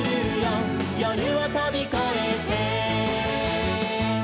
「夜をとびこえて」